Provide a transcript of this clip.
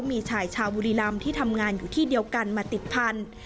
มีชายชาวบุรีรำที่ทำงานอยู่ที่เดียวกันมาติดพันธุ์